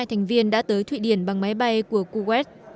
hai thành viên đã tới thụy điển bằng máy bay của kuwait